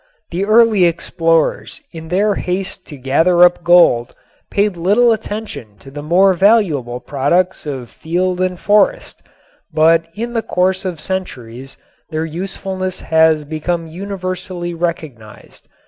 The early explorers in their haste to gather up gold paid little attention to the more valuable products of field and forest, but in the course of centuries their usefulness has become universally recognized.